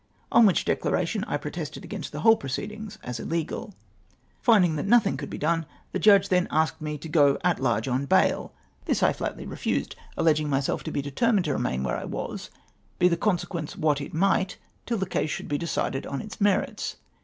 On which declaration I pro tested against the whole proceedings as iUegal. Finding that nothing could be done, the Judge then asked me to go at large on bail ! This I flatly refused, aUegmg myself to be determined to remain where I was, be the consequence what it miglit, till the case should be decided on its merits.